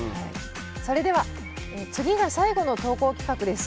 それでは次が最後の投稿企画です。